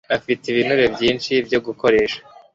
afite ibinure byinshi byo gukoresha